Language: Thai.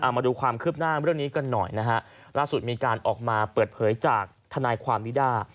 มาดูความคืบหน้าเรื่องนี้กันหน่อยนะฮะล่าสุดมีการออกมาเปิดเผยจากทนายความนิด้า